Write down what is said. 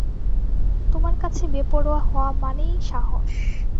তোমার কাছে বেপরোয়া হওয়া মানেই সাহস।